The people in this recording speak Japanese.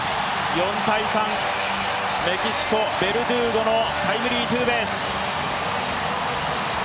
４−３、メキシコ、ベルドゥーゴのタイムリーツーベース。